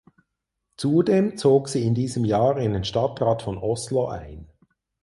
Zudem zog sie in diesem Jahr in den Stadtrat von Oslo ein.